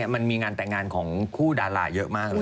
มันมีงานแต่งงานของคู่ดาราเยอะมากเลย